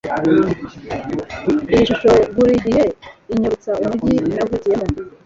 Iyi shusho burigihe inyibutsa umujyi navukiyemo.